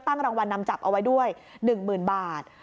ตั้งรางวัลนำจับเอาไว้ด้วย๑หมื่นบาท